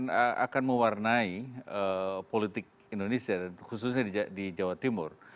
dan akan mewarnai politik indonesia khususnya di jawa timur